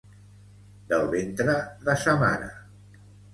Del ventre de sa mare.